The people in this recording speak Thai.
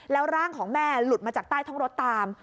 แล้วร่างของแม่หลุดมาจากใต้ท้องรถตาม